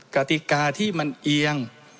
กติกาที่มันเอียง